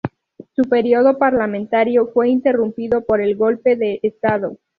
Su período parlamentario fue interrumpido por el Golpe de Estado.